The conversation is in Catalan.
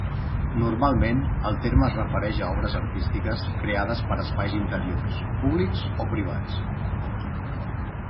Normalment el terme es refereix a obres artístiques creades per espais interiors, públics o privats.